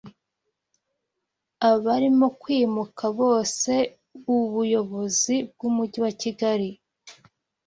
Abarimo kwimuka bose Ubuyobozi bw’Umujyi wa Kigali